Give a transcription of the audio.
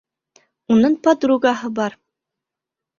Уның подругаһы бар.